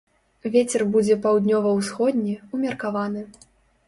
Вецер будзе паўднёва-ўсходні, умеркаваны.